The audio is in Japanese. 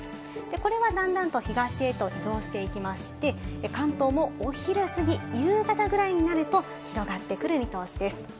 これは段々と東へと移動していきまして、関東もお昼過ぎ、夕方ぐらいになると広がってくる見通しです。